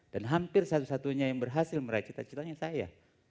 dan hampir satu satunya yang berhasil meraih cita citanya saya